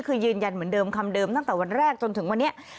คือยืนยันเหมือนเดิมคำเดิมตั้งแต่วันแรกจนถึงวันนี้